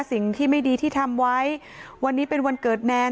สิ่งที่ไม่ดีที่ทำไว้วันนี้เป็นวันเกิดแนน